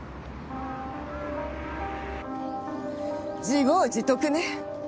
自業自得ね。